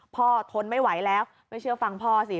ทนไม่ไหวแล้วไม่เชื่อฟังพ่อสิ